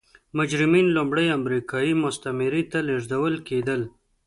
مجرمین لومړی امریکايي مستعمرې ته لېږدول کېدل.